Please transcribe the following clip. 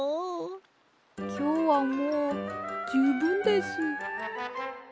きょうはもうじゅうぶんです。